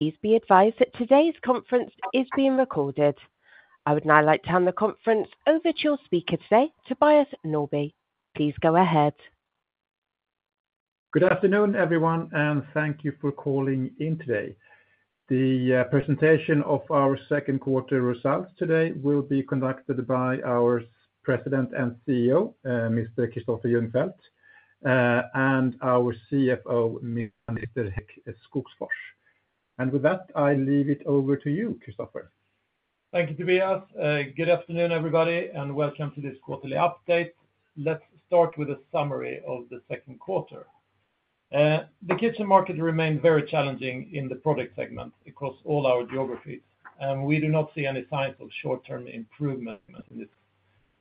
Please be advised that today's conference is being recorded. I would now like to hand the conference over to your speaker today, Tobias Norrby. Please go ahead. Good afternoon, everyone, and thank you for calling in today. The presentation of our second quarter results today will be conducted by our President and CEO, Mr. Kristoffer Ljungfelt, and our CFO, Mr. Henrik Skogsfors. And with that, I leave it over to you, Kristoffer. Thank you, Tobias. Good afternoon, everybody, and welcome to this quarterly update. Let's start with a summary of the second quarter. The kitchen market remained very challenging in the project segment across all our geographies, and we do not see any signs of short-term improvement in this.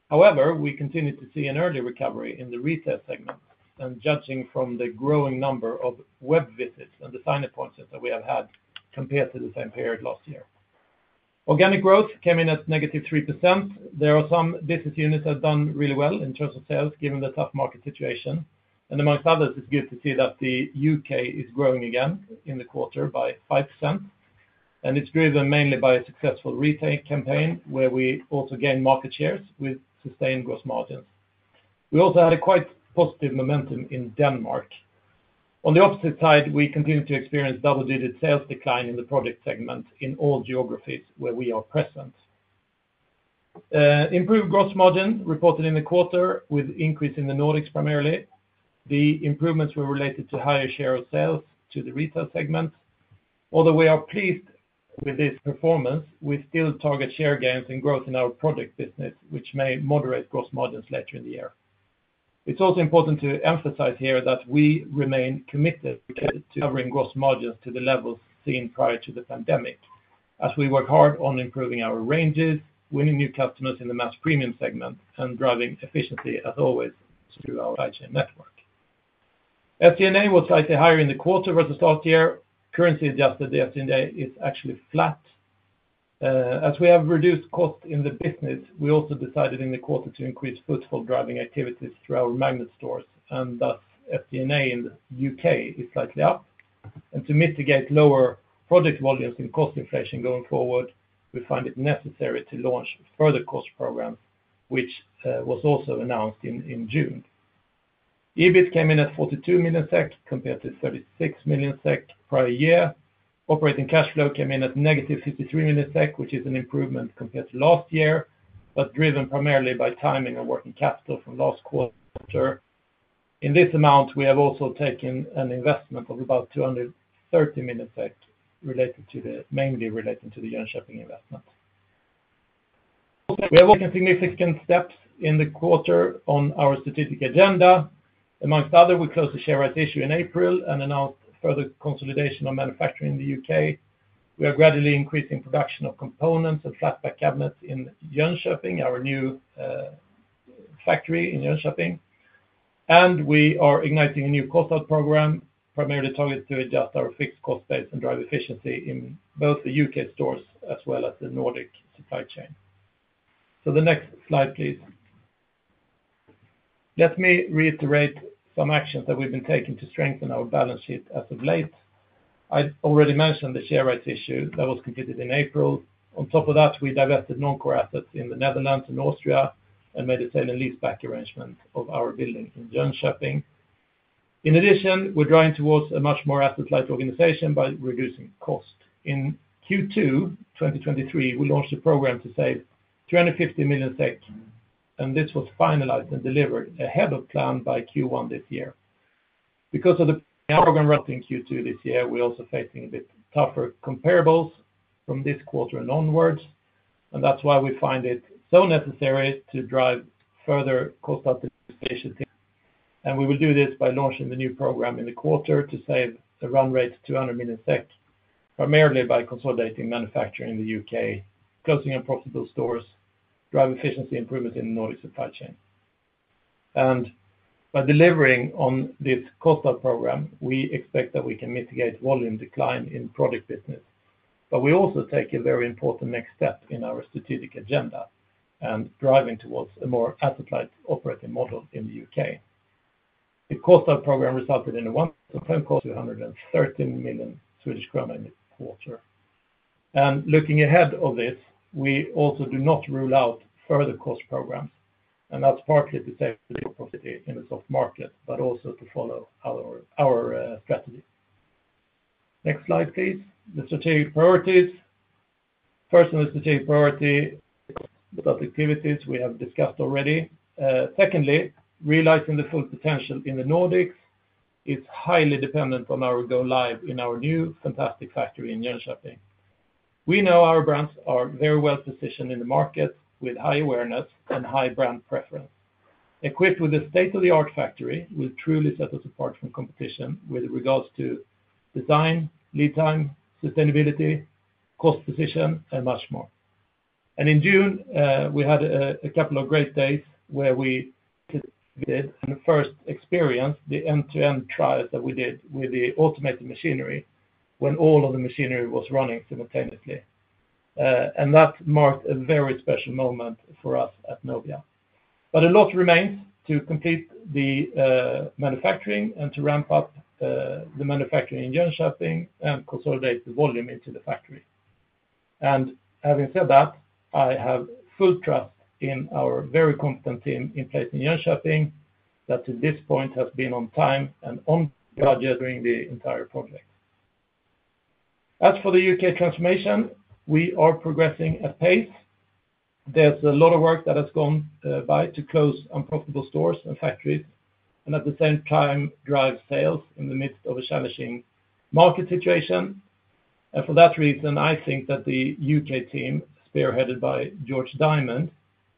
However, we continue to see an early recovery in the retail segment, and judging from the growing number of web visits and design appointments that we have had compared to the same period last year. Organic growth came in at negative 3%. There are some business units that have done really well in terms of sales, given the tough market situation. Among others, it's good to see that the UK is growing again in the quarter by 5%, and it's driven mainly by a successful retail campaign, where we also gain market shares with sustained gross margins. We also had a quite positive momentum in Denmark. On the opposite side, we continued to experience double-digit sales decline in the product segment in all geographies where we are present. Improved gross margin reported in the quarter with increase in the Nordics primarily. The improvements were related to higher share of sales to the retail segment. Although we are pleased with this performance, we still target share gains and growth in our product business, which may moderate gross margins later in the year. It's also important to emphasize here that we remain committed to covering gross margins to the levels seen prior to the pandemic, as we work hard on improving our ranges, winning new customers in the mass premium segment, and driving efficiency, as always, through our supply chain network. SG&A was slightly higher in the quarter versus last year. Currency adjusted, the SG&A is actually flat. As we have reduced costs in the business, we also decided in the quarter to increase footfall driving activities through our Magnet stores, and thus, SG&A in the U.K. is slightly up. To mitigate lower product volumes and cost inflation going forward, we find it necessary to launch further cost program, which was also announced in June. EBIT came in at 42 million SEK, compared to 36 million SEK prior year. Operating cash flow came in at -53 million SEK, which is an improvement compared to last year, but driven primarily by timing and working capital from last quarter. In this amount, we have also taken an investment of about 230 million SEK, related to the mainly relating to the Jönköping investment. We have taken significant steps in the quarter on our strategic agenda. Among other, we closed the share rights issue in April and announced further consolidation on manufacturing in the U.K. We are gradually increasing production of components and flat pack cabinets in Jönköping, our new factory in Jönköping, and we are igniting a new cost out program, primarily targeted to adjust our fixed cost base and drive efficiency in both the U.K. stores as well as the Nordic supply chain. So the next slide, please. Let me reiterate some actions that we've been taking to strengthen our balance sheet as of late. I already mentioned the share rights issue that was completed in April. On top of that, we divested non-core assets in the Netherlands and Austria and made a sale and leaseback arrangement of our building in Jönköping. In addition, we're drawing towards a much more asset-light organization by reducing cost. In Q2, 2023, we launched a program to save 350 million, and this was finalized and delivered ahead of plan by Q1 this year. Because of the program result in Q2 this year, we're also facing a bit tougher comparables from this quarter and onwards, and that's why we find it so necessary to drive further cost out efficiency. We will do this by launching the new program in the quarter to save a run rate of 200 million SEK, primarily by consolidating manufacturing in the U.K., closing unprofitable stores, drive efficiency improvement in the Nordic supply chain. By delivering on this cost out program, we expect that we can mitigate volume decline in product business. We also take a very important next step in our strategic agenda and driving towards a more asset-light operating model in the U.K. The cost out program resulted in a one-time cost of 213 million Swedish kronor in this quarter. Looking ahead of this, we also do not rule out further cost programs, and that's partly to save profit in a soft market, but also to follow our, our, strategy. Next slide, please. The strategic priorities. First, on the strategic priority, the activities we have discussed already. Secondly, realizing the full potential in the Nordics is highly dependent on our go live in our new fantastic factory in Jönköping. We know our brands are very well positioned in the market with high awareness and high brand preference. Equipped with a state-of-the-art factory, will truly set us apart from competition with regards to design, lead time, sustainability, cost position, and much more. And in June, we had a couple of great days where we did and first experienced the end-to-end trials that we did with the automated machinery when all of the machinery was running simultaneously. And that marked a very special moment for us at Nobia. But a lot remains to complete the manufacturing and to ramp up the manufacturing in Jönköping, and consolidate the volume into the factory. And having said that, I have full trust in our very competent team in place in Jönköping, that to this point, has been on time and on budget during the entire project. As for the UK transformation, we are progressing at pace. There's a lot of work that has gone by to close unprofitable stores and factories, and at the same time drive sales in the midst of a challenging market situation. And for that reason, I think that the UK team, spearheaded by George Dymond,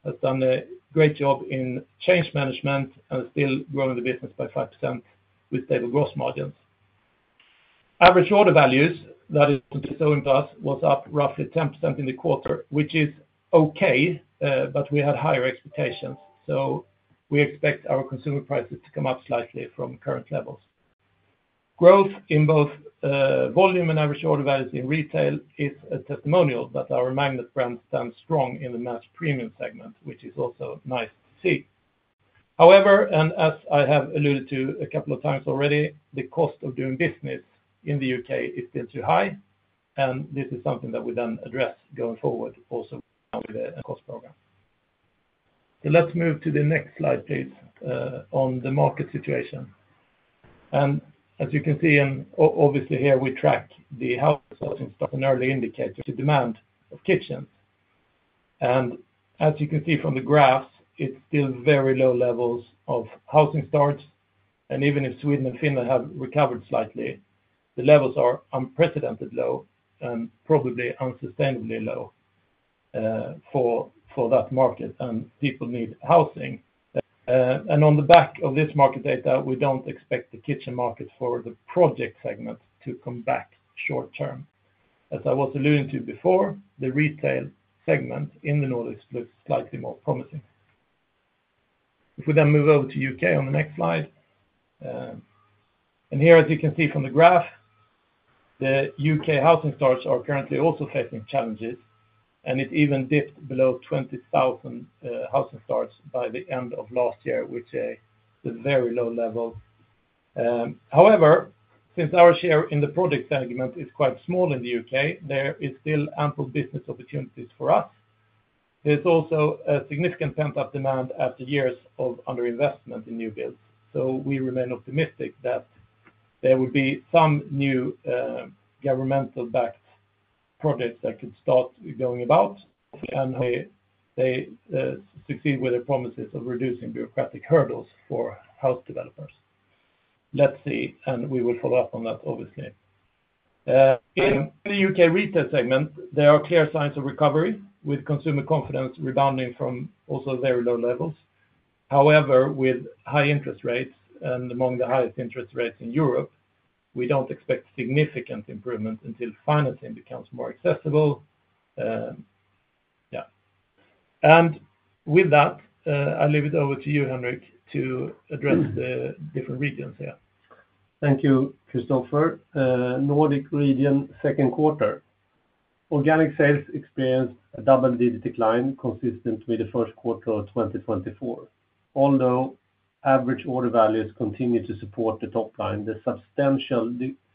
has done a great job in change management and still growing the business by 5% with stable gross margins. Average order values, that is concerning to us, was up roughly 10% in the quarter, which is okay, but we had higher expectations, so we expect our consumer prices to come up slightly from current levels. Growth in both, volume and average order values in retail is a testimonial that our Magnet brand stands strong in the mass premium segment, which is also nice to see. However, and as I have alluded to a couple of times already, the cost of doing business in the UK is still too high, and this is something that we then address going forward also with the cost program. Let's move to the next slide, please, on the market situation. As you can see, obviously here, we track the housing starts, an early indicator of demand for kitchens. As you can see from the graphs, it's still very low levels of housing starts, and even if Sweden and Finland have recovered slightly, the levels are unprecedentedly low and probably unsustainably low, for that market, and people need housing. On the back of this market data, we don't expect the kitchen market for the project segment to come back short term. As I was alluding to before, the retail segment in the Nordics looks slightly more promising. If we then move over to U.K. on the next slide, and here, as you can see from the graph, the U.K. housing starts are currently also facing challenges, and it even dipped below 20,000 housing starts by the end of last year, which is a very low level. However, since our share in the project segment is quite small in the U.K., there is still ample business opportunities for us. There's also a significant pent-up demand after years of underinvestment in new builds, so we remain optimistic that there will be some new governmental-backed projects that could start going about, and they succeed with their promises of reducing bureaucratic hurdles for house developers. And we will follow up on that, obviously. In the U.K. retail segment, there are clear signs of recovery, with consumer confidence rebounding from also very low levels. However, with high interest rates and among the highest interest rates in Europe, we don't expect significant improvement until financing becomes more accessible. With that, I'll leave it over to you, Henrik, to address the different regions here. Thank you, Kristoffer. Nordic region, second quarter. Organic sales experienced a double-digit decline consistent with the first quarter of 2024. Although average order values continued to support the top line, the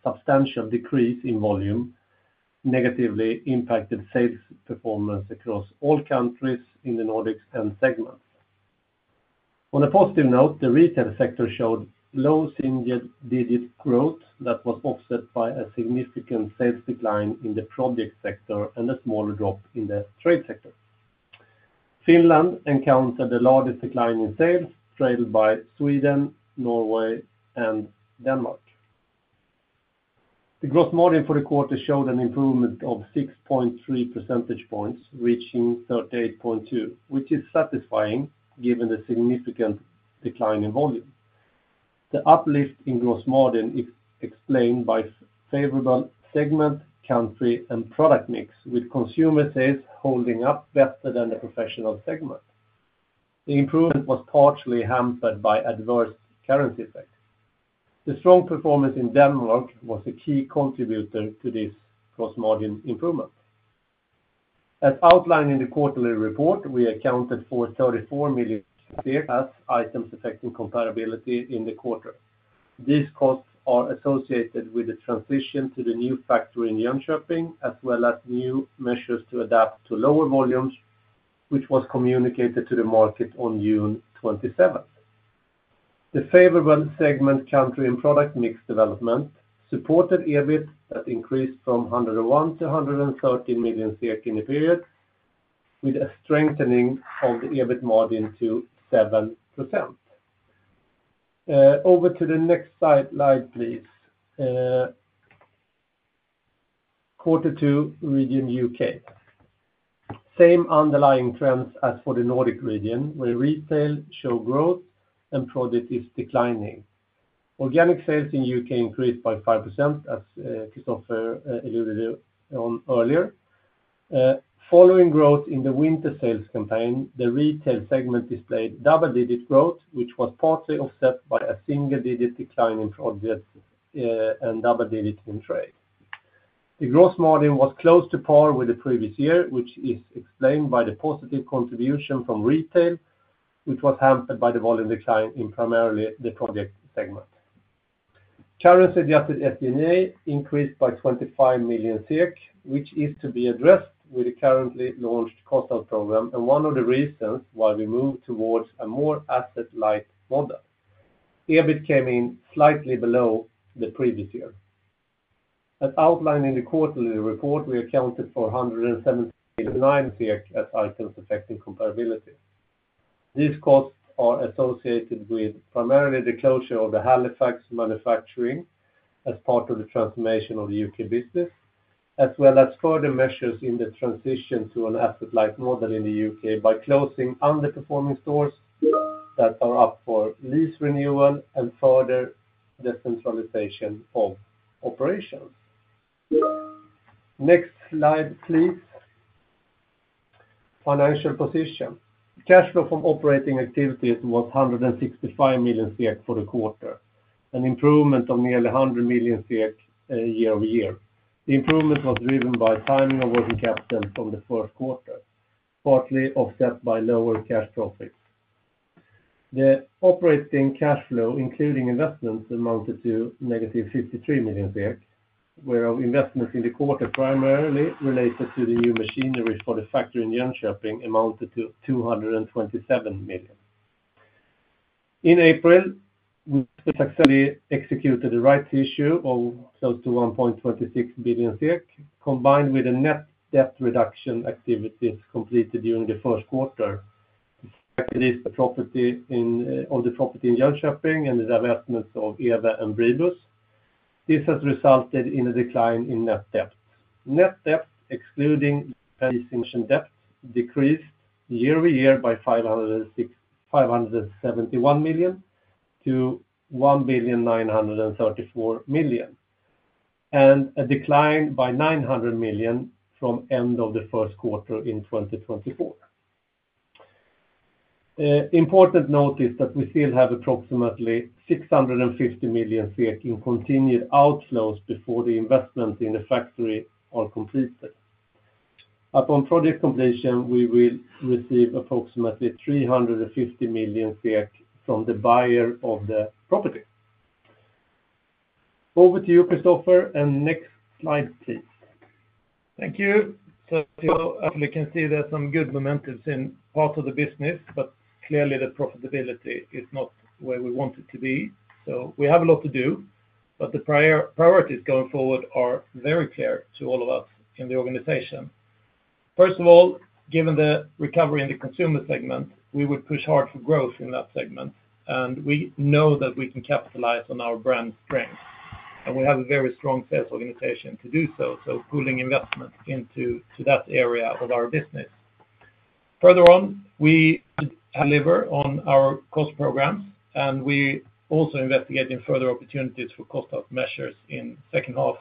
substantial decrease in volume negatively impacted sales performance across all countries in the Nordics and segments. On a positive note, the retail sector showed low single-digit growth that was offset by a significant sales decline in the project sector and a smaller drop in the trade sector. Finland encountered the largest decline in sales, trailed by Sweden, Norway, and Denmark. The gross margin for the quarter showed an improvement of 6.3 percentage points, reaching 38.2, which is satisfying given the significant decline in volume. The uplift in gross margin is explained by favorable segment, country, and product mix, with consumer sales holding up better than the professional segment. The improvement was partially hampered by adverse currency effects. The strong performance in Denmark was a key contributor to this gross margin improvement. As outlined in the quarterly report, we accounted for 34 million as items affecting comparability in the quarter. These costs are associated with the transition to the new factory in Jönköping, as well as new measures to adapt to lower volumes, which was communicated to the market on June twenty-seventh. The favorable segment, country, and product mix development supported EBIT that increased from 101 to 113 million SEK in the period, with a strengthening of the EBIT margin to 7%. Over to the next slide, please. Quarter two, region U.K. Same underlying trends as for the Nordic region, where retail show growth and project is declining. Organic sales in UK increased by 5%, as Kristoffer alluded to earlier. Following growth in the winter sales campaign, the retail segment displayed double-digit growth, which was partly offset by a single-digit decline in project and double digits in trade. The gross margin was close to par with the previous year, which is explained by the positive contribution from retail, which was hampered by the volume decline in primarily the project segment. Currency adjusted SG&A increased by 25 million, which is to be addressed with the currently launched cost out program, and one of the reasons why we move towards a more asset-light model. EBIT came in slightly below the previous year. As outlined in the quarterly report, we accounted for 179 as items affecting comparability. These costs are associated with primarily the closure of the Halifax manufacturing as part of the transformation of the U.K. business, as well as further measures in the transition to an asset-light model in the U.K. by closing underperforming stores that are up for lease renewal and further decentralization of operations. Next slide, please. Financial position. Cash flow from operating activities was 165 million SEK for the quarter, an improvement of nearly 100 million SEK, year-over-year. The improvement was driven by timing of working capital from the first quarter, partly offset by lower cash profits. The operating cash flow, including investments, amounted to negative 53 million, where our investments in the quarter primarily related to the new machinery for the factory in Jönköping amounted to 227 million. In April, we successfully executed the rights issue of close to 1.26 billion, combined with net debt reduction activities completed during the first quarter. Except the property in Jönköping and the divestments of ewe and Bribus. This has resulted in a decline in net debt. Net debt, excluding construction debt, decreased year-over-year by 571 million to 1.934 billion, and a decline by 900 million from end of the first quarter in 2024. Important note is that we still have approximately 650 million in continued outflows before the investment in the factory are completed. Upon project completion, we will receive approximately 350 million from the buyer of the property. Over to you, Kristoffer, and next slide, please. Thank you. So you obviously can see there's some good momentums in parts of the business, but clearly the profitability is not where we want it to be. So we have a lot to do, but the priorities going forward are very clear to all of us in the organization. First of all, given the recovery in the consumer segment, we would push hard for growth in that segment, and we know that we can capitalize on our brand strength, and we have a very strong sales organization to do so. So pulling investment into to that area of our business. Further on, we deliver on our cost programs, and we also investigating further opportunities for cost out measures in second half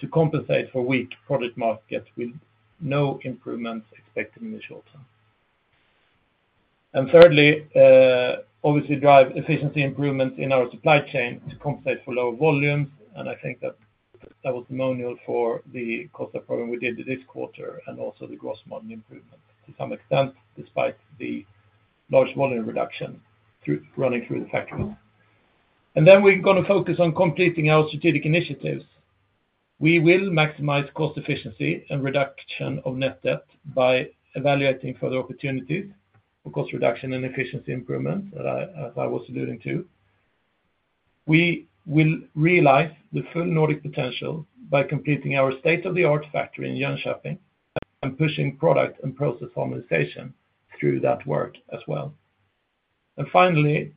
to compensate for weak product markets with no improvements expected in the short term. And thirdly, obviously drive efficiency improvement in our supply chain to compensate for lower volumes, and I think that that was material for the cost out program we did this quarter, and also the gross margin improvement to some extent, despite the large volume reduction through running through the factory. And then we're gonna focus on completing our strategic initiatives. We will maximize cost efficiency and reduction of net debt by evaluating further opportunities for cost reduction and efficiency improvement, that I, as I was alluding to. We will realize the full Nordic potential by completing our state-of-the-art factory in Jönköping and pushing product and process harmonization through that work as well. Finally,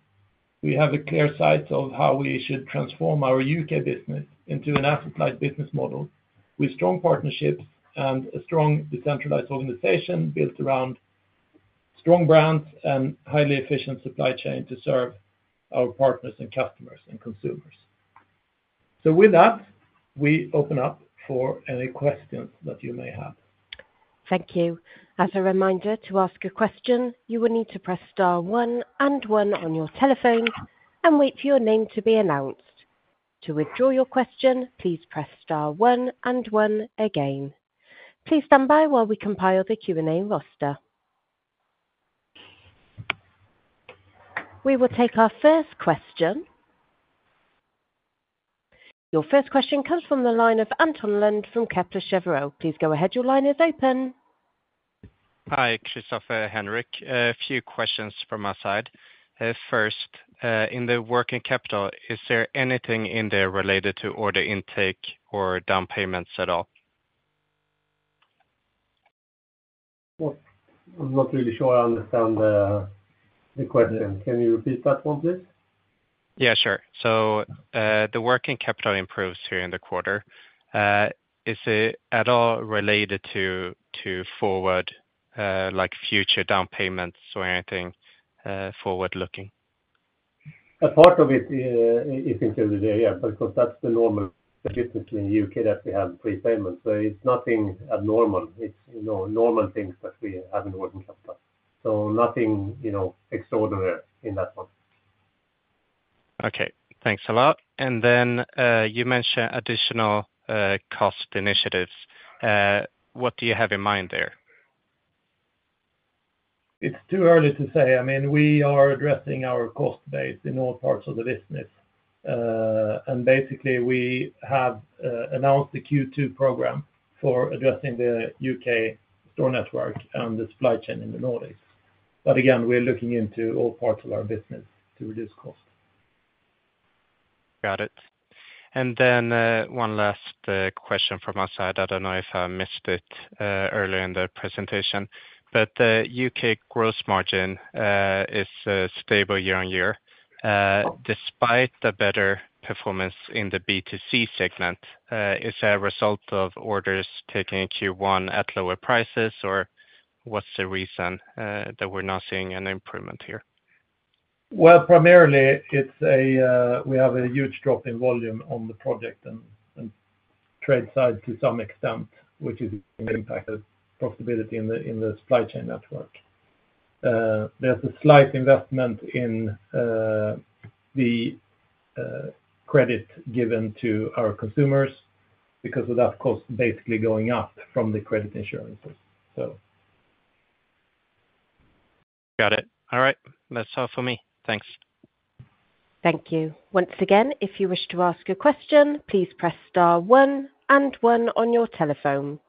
we have a clear sight of how we should transform our UK business into an asset-light business model with strong partnerships and a strong decentralized organization built around strong brands and highly efficient supply chain to serve our partners and customers and consumers. With that, we open up for any questions that you may have. Thank you. As a reminder, to ask a question, you will need to press star one and one on your telephone and wait for your name to be announced. To withdraw your question, please press star one and one again. Please stand by while we compile the Q&A roster. We will take our first question. Your first question comes from the line of Anton Lund from Kepler Cheuvreux. Please go ahead. Your line is open. Hi, Kristoffer, Henrik. A few questions from my side. First, in the working capital, is there anything in there related to order intake or down payments at all? Well, I'm not really sure I understand the question. Can you repeat that one, please? Yeah, sure. So, the working capital improves here in the quarter. Is it at all related to forward, like, future down payments or anything forward-looking? A part of it is included there, yeah, because that's the normal business in the UK, that we have prepayment. So it's nothing abnormal. It's, you know, normal things that we have in working capital.... So nothing, you know, extraordinary in that one. Okay, thanks a lot. And then, you mentioned additional cost initiatives. What do you have in mind there? It's too early to say. I mean, we are addressing our cost base in all parts of the business. And basically we have announced the Q2 program for addressing the UK store network and the supply chain in the Nordics. But again, we are looking into all parts of our business to reduce cost. Got it. And then, one last question from my side. I don't know if I missed it earlier in the presentation, but the UK gross margin is stable year-on-year, despite the better performance in the B2C segment. Is it a result of orders taking Q1 at lower prices, or what's the reason that we're not seeing an improvement here? Well, primarily we have a huge drop in volume on the project and trade side to some extent, which is going to impact us profitability in the supply chain network. There's a slight investment in the credit given to our consumers because of that cost basically going up from the credit insurances, so. Got it. All right. That's all for me. Thanks. Thank you. Once again, if you wish to ask a question, please press star one and one on your telephone.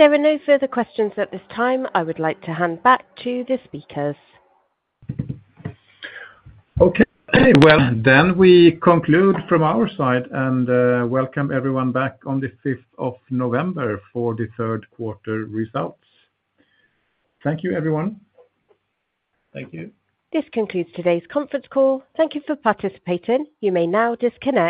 There are no further questions at this time. I would like to hand back to the speakers. Okay, well, then we conclude from our side and welcome everyone back on the fifth of November for the third quarter results. Thank you, everyone. Thank you. This concludes today's conference call. Thank you for participating. You may now disconnect.